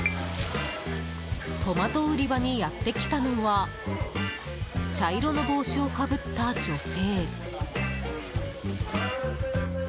トマト売り場にやってきたのは茶色の帽子をかぶった女性。